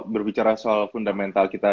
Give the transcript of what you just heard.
berbicara soal fundamental kita